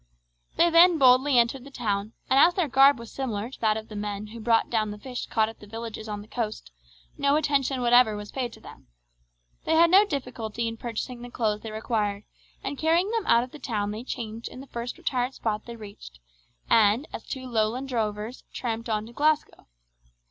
They then boldly entered the town, and as their garb was similar to that of the men who brought down the fish caught at the villages on the coast, no attention whatever was paid to them. They had no difficulty in purchasing the clothes they required, and carrying them out of the town they changed in the first retired spot they reached, and, as two Lowland drovers, tramped on to Glasgow.